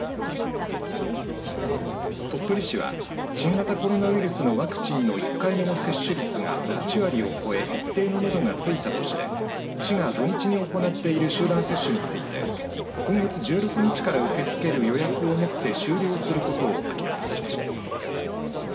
鳥取市は新型コロナウイルスのワクチンの１回目の接種率が８割を超え一定のめどがついたとして市が土日に行っている集団接種について今月１６日から受け付ける予約をもって終了することを明らかにしました。